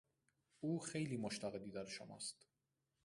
او خیلی مشتاق دیدار شماست.